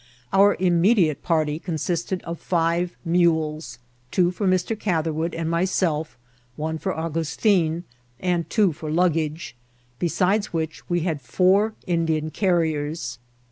Our immediate party consisted of five mules ; two for Mr. Catherwood and myself, one for Augustin, and two for luggage ; besides which, we had four Indian carriers.